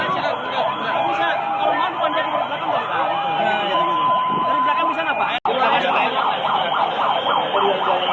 tapi ini karena ambro kan karena mereka sudah kenal kenal